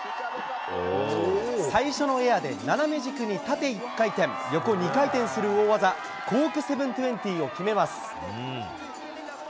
最初のエアで、斜め軸に縦１回転、横２回転する大技、コーク７２０を決めます。